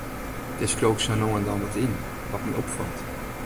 Dêr skriuw ik sa no en dan wat yn, wat my opfalt.